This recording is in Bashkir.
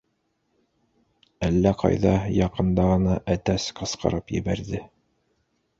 Әллә ҡайҙа яҡында ғына әтәс ҡысҡырып ебәрҙе.